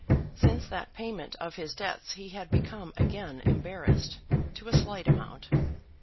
Since that payment of his debts he had become again embarrassed, to a slight amount.